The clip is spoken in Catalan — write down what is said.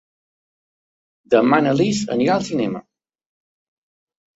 Demà na Lis anirà al cinema.